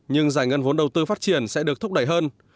nhưng giải ngân vốn đầu tư phát triển sẽ được thúc đẩy hơn